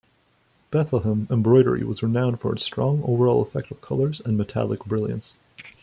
Bethlehem embroidery was renowned for its strong overall effect of colors and metallic brilliance.